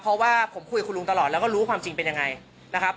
เพราะว่าผมคุยกับคุณลุงตลอดแล้วก็รู้ความจริงเป็นยังไงนะครับ